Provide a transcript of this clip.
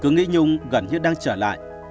nghĩ nhung gần như đang trở lại